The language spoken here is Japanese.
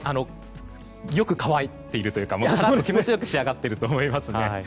よく乾いているというか気持ちよく仕上がっていると思いますよ。